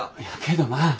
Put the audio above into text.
いやけどな。